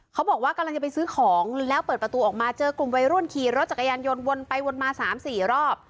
เขาบอกว่ากำลังจะไปซื้อของแล้วเปิดประตูออกมาเจอกลุ่มวัยรุ่นขี่รถจักรยานยนต์วนไปวนมา๓๔รอบ